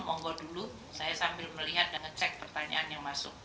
onggo dulu saya sambil melihat dan ngecek pertanyaan yang masuk